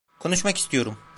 Konuşmak istiyorum.